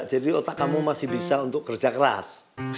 jadi otak kamu masih bisa untuk kerja keras